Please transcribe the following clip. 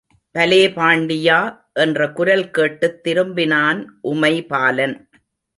பலே பாண்டியா! என்ற குரல் கேட்டுத் திரும்பினான் உமைபாலன்.